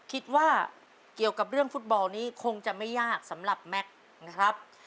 คิดว่าเกี่ยวกับเรื่องฟุตบอลนี้คงจะไม่ยากสำหรับแม็กซ์นะครับ